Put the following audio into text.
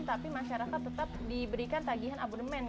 tapi masyarakat tetap diberikan tagihan abodemen